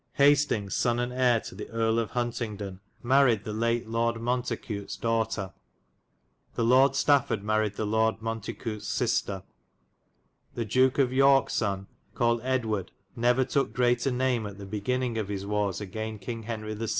Hastings sonne and heire to the Erie of Huntingdune maried the late Lorde Mountecutes dowghtar. The Lord Stafford maried the Lorde Mountecuts sistar. The Duke of Yorke sunne cauUyd Edward nevar tooke greatar name at the begininge of his warres agayne Kynge Henry the 6.